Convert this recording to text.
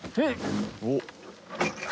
おっ。